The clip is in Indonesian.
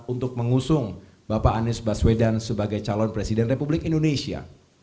untuk mengusung bapak anies baswedan sebagai calon presiden republik indonesia